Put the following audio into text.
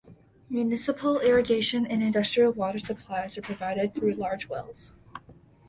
Municipal, irrigation, and industrial water supplies are provided through large wells.